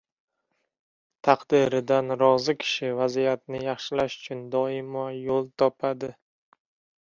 • Taqdiridan rozi kishi vaziyatni yaxshilash uchun doimo yo‘l topadi.